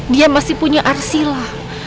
dia masih punya arsila